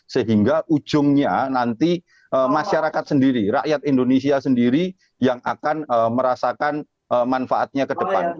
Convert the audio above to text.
sehingga ujungnya nanti masyarakat sendiri rakyat indonesia sendiri yang akan merasakan manfaatnya ke depan